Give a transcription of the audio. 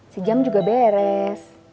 sejam juga beres